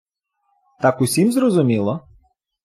Так усім зрозуміло?